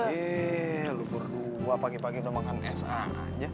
yee lo berdua pagi pagi udah makan es aja